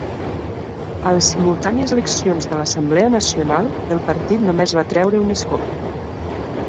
A les simultànies eleccions a l'Assemblea Nacional, el partit només va treure un escó.